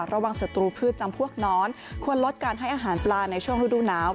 สตรูพืชจำพวกน้อนควรลดการให้อาหารปลาในช่วงฤดูหนาว